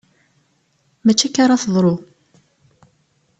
Mačči akka ara teḍru!